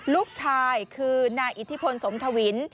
ลูกชายคือนายอิทธิพลสมทวิน